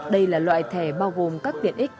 đây là loại thẻ bao gồm các tiện ích